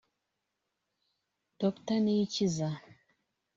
Dr Niyikiza